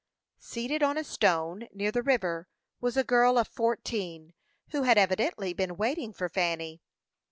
Seated on a stone, near the river, was a girl of fourteen, who had evidently been waiting for Fanny.